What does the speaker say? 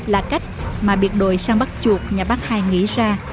là cách mà biệt đồi săn bắt chuột nhà bác hai nghĩ ra